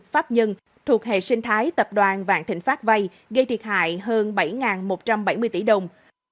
pháp nhân thuộc hệ sinh thái tập đoàn vạn thịnh pháp vay gây thiệt hại hơn bảy một trăm bảy mươi tỷ đồng